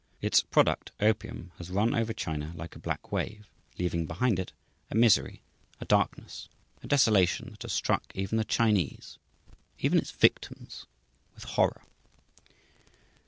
Its product, opium, has run over China like a black wave, leaving behind it a misery, a darkness, a desolation that has struck even the Chinese, even its victims, with horror.